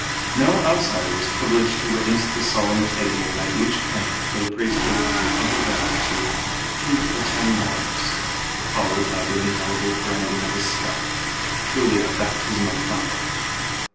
No outsider was privileged to witness the solemn taking by each candidate for the priesthood of the vow to "keep the Ten Laws," followed by the indelible branding of his scalp, truly a "baptism of fire."